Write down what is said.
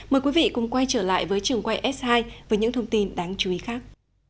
mời quý vị cùng quay trở lại với trường quay s hai với những thông tin đáng chú ý khác